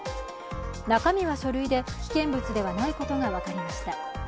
中身は書類で、危険物ではないことが分かりました。